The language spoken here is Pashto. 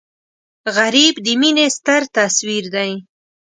غریب د مینې ستر تصویر دی